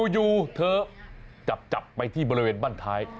อยู่เธอจับไปที่บริเวณบ้านท้าย